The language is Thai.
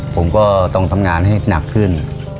ผมก็ต้องทำงานให้หนักขึ้น